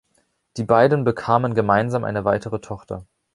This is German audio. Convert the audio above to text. Die beiden bekamen gemeinsam eine weitere Tochter.